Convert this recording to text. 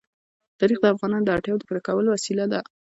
تاریخ د افغانانو د اړتیاوو د پوره کولو وسیله ده.